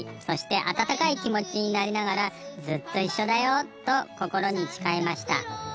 そして暖かい気持ちになりながら『ずっといっしょだよ』と心に誓いました。